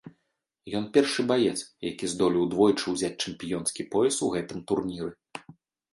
Ён першы баец, які здолеў двойчы ўзяць чэмпіёнскі пояс у гэтым турніры.